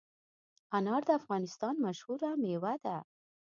انار د افغانستان مشهور مېوه ده.